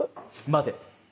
待て。